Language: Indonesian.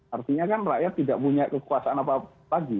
artinya kan rakyat tidak punya kekuasaan apa lagi